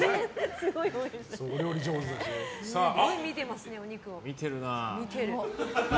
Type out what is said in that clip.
すごい見てますね、お肉を。